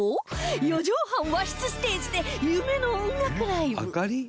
４畳半和室ステージで夢の音楽ライブ